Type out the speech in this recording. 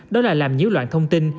đó là làm nhiều loạn thông tin